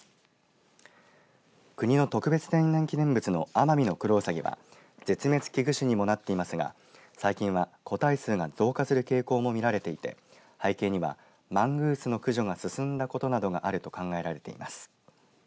国の特別天然記念物のアマミノクロウサギは絶滅危惧種にもなっていますが最近は個体数が増加する傾向も見られていて背景には、マングースの駆除が進んだことなどがあると考えられています。